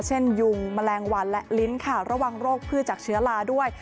ยุงแมลงวันและลิ้นค่ะระวังโรคพืชจากเชื้อลาด้วย